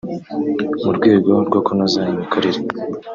mu rwego rwo kunoza imikorere